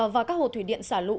và các hồ thủy điện xả lũ